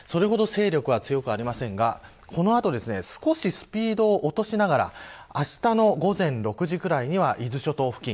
それほど勢力は強くありませんがこの後少しスピードを落としながらあしたの午前６時ぐらいには伊豆諸島付近